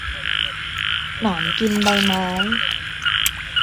หนอนกินใบไม้